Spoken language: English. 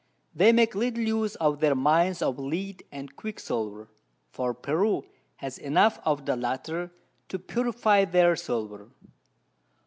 They make little use of their Mines of Lead and Quicksilver; for Peru has enough of the latter to purify their Silver.